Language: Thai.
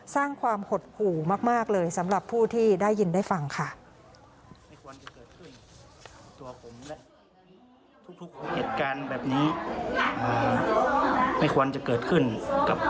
สำหรับผู้ที่ได้ยินได้ฟังค่ะ